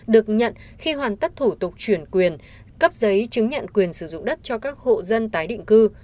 được nhận khi hoàn tất thủ tục chuyển quyền cấp giấy chứng nhận quyền sử dụng đất cho các hộ dân tái định cư